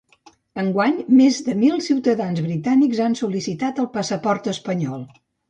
Enguany més de mil ciutadans britànics han sol·licitat el passaport espanyol.